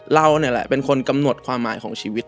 เรานี่แหละเป็นคนกำหนดความหมายของชีวิต